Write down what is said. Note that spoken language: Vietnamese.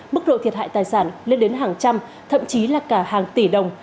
mức độ thiệt hại tài sản lên đến hàng trăm thậm chí là cả hàng tỷ đồng